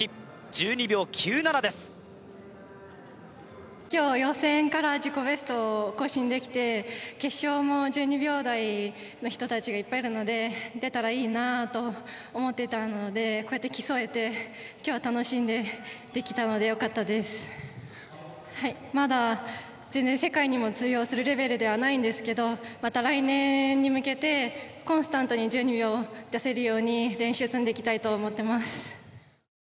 １２秒９７です今日予選から自己ベストを更新できて決勝も１２秒台の人たちがいっぱいいるので出たらいいなあと思ってたのでこうやって競えて今日は楽しんでできたのでよかったですはいまだ全然世界にも通用するレベルではないんですけどまた来年に向けてコンスタントに１２秒を出せるように練習を積んでいきたいと思ってます